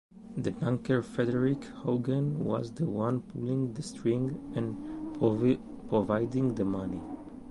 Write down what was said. The banker Frederik Hagen was the one pulling the strings and providing the money.